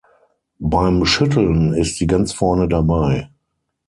Beim Schütteln ist sie ganz vorne dabei.